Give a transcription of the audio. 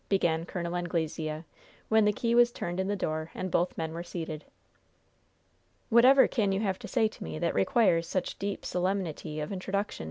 began Col. Anglesea, when the key was turned in the door and both men were seated. "Whatever can you have to say to me that requires such deep solemnity of introduction?"